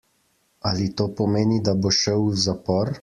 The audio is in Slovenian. Ali to pomeni, da bo šel v zapor?